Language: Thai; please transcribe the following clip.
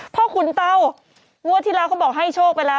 ขุนเตางวดที่แล้วเขาบอกให้โชคไปแล้ว